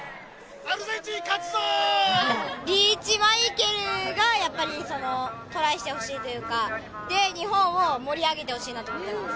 リーチ・マイケルがやっぱりトライしてほしいというか、日本を盛り上げてほしいなと思います。